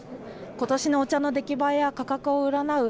ことしのお茶の出来栄えや価格を占う